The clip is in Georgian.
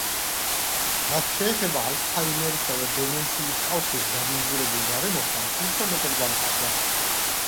რაც შეეხება ალცჰაიმერისა და დემენციის კავშირს დაბინძურებულ გარემოსთან, უფრო მეტად გამყარდა.